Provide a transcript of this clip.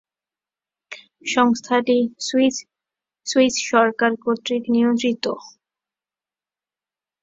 সংস্থাটি সুইস সরকার কর্তৃক নিয়ন্ত্রিত।